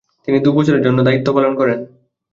তিনি দু'বছরের জন্য দায়িত্ব পালন করেন।